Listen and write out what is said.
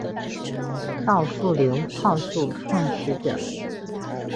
稻富流炮术创始者。